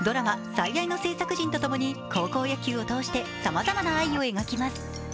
「最愛」の制作陣とともに高校野球を通してさまざまな愛を描きます。